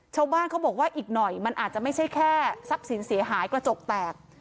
ชาวบ้านเขาบอกว่าอีกหน่อยมันอาจจะไม่ใช่แค่ทรัพย์สินเสียหายกระจกแตก